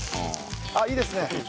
あっいいですね。